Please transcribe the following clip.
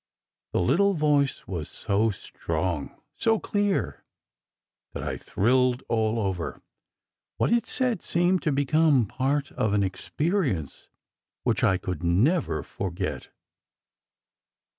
" The little voice was so strong, so clear, that I thrilled all over. What it said seemed to become part of an ex perience which I could never forget.